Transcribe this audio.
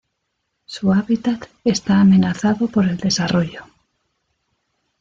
Su hábitat está amenazado por el desarrollo.